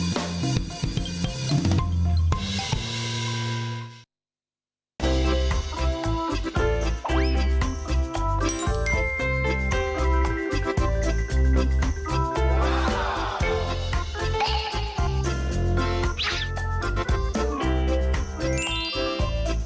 สวัสดีครับ